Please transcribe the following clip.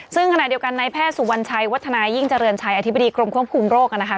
ซึ่งขณะเดียวกันในแพทย์สุวรรณชัยวัฒนายิ่งเจริญชัยอธิบดีกรมควบคุมโรคนะคะ